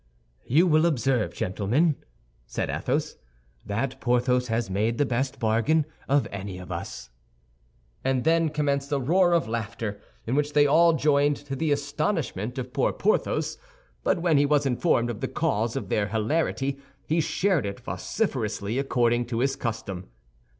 "You will observe, gentlemen," said Athos, "that Porthos has made the best bargain of any of us." And then commenced a roar of laughter in which they all joined, to the astonishment of poor Porthos; but when he was informed of the cause of their hilarity, he shared it vociferously according to his custom.